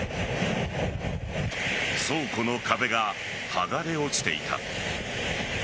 倉庫の壁がはがれ落ちていた。